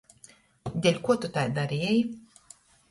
Deļkuo tu tai dareji?